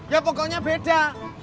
ya pokoknya beda